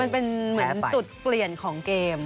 มันเป็นเหมือนจุดเปลี่ยนของเกม